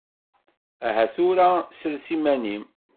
Aha tura sres iman-im!